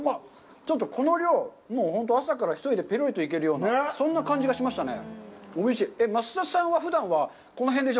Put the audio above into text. ちょっとこの量、もう本当、朝から１人でペロリといけるような、そんな感じがしましたね。